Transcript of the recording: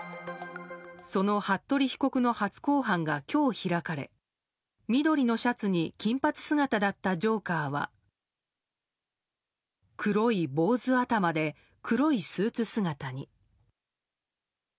その服部容疑者の初公判が今日開かれ緑のシャツに金髪姿だったジョーカーは黒い坊主頭で黒いスーツ姿に。